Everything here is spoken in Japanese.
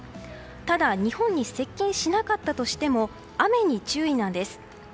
ただ、日本に接近しなかったとしても雨に注意なんです。